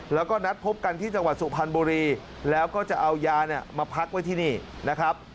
แล้วก็นัดพบกันที่จังหวัดสุพรรณบุรีแล้วก็จะเอายาเนี่ยมาพักไว้ที่นี่นะครับ